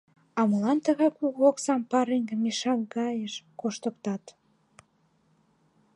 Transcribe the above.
А молан тыгай кугу оксам пареҥге мешак гаеш коштыктат?